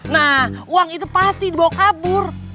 nah uang itu pasti dibawa kabur